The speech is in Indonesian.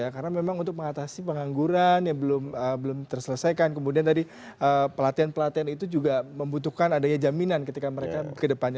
karena memang untuk mengatasi pengangguran yang belum terselesaikan kemudian tadi pelatihan pelatihan itu juga membutuhkan adanya jaminan ketika mereka ke depannya